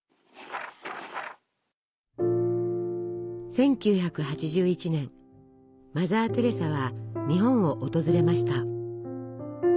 １９８１年マザー・テレサは日本を訪れました。